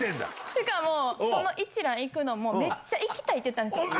しかも、その一蘭行くのも、めっちゃ行きたいって言ったんですよ。